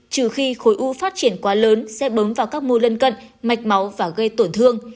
trừ khi khối u phát triển quá lớn sẽ bấm vào các mô lân cận mạch máu và gây tổn thương